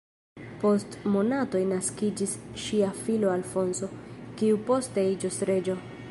Post monatoj naskiĝis ŝia filo Alfonso, kiu poste iĝos reĝo.